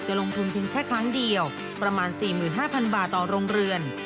ลงทุนเพียงแค่ครั้งเดียวประมาณ๔๕๐๐บาทต่อโรงเรือน